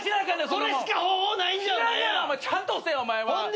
ちゃんとせえお前は。